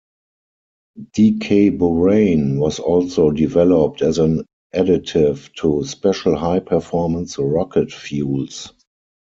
Decaborane was also developed as an additive to special high-performance rocket fuels.